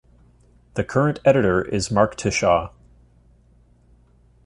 The current editor is Mark Tisshaw.